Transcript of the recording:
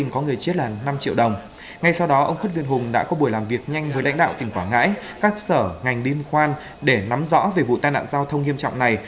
các sở ngành liên quan để nắm rõ về vụ tai nạn giao thông nghiêm trọng này